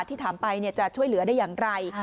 ที่ถามไปจะช่วยเหลือได้อย่างไร